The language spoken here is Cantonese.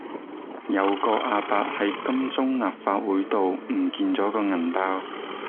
有個亞伯喺金鐘立法會道唔見左個銀包